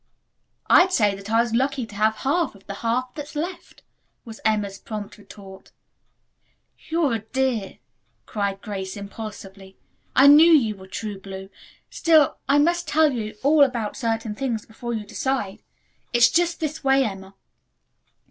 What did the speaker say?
"I'd say that I was lucky to have half of the half that's left," was Emma's prompt retort. "You're a dear!" cried Grace impulsively. "I knew you were true blue. Still, I must tell you all about certain things before you decide. It's just this way, Emma."